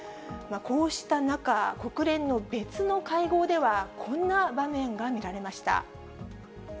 こうした中、国連の別の会合では、こんな場面が見られました。